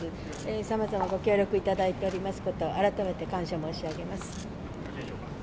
さまざまご協力いただいておりますこと、改めて感謝申し上げます。